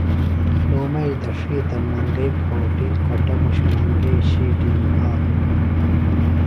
لُومئی دڇھی تہ منگئیۡ پھوٹیۡ کٹموش منگئیۡ شِیٹیۡ نکھاتوۡ ہنوۡ